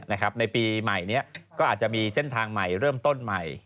ในปีใหม่นี้ก็อาจจะมีเส้นทางใหม่เริ่มต้นใหม่